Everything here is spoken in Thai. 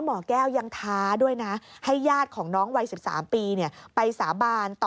หมอแก้วยังท้าด้วยนะให้ญาติของน้องวัย๑๓ปีไปสาบานต่อ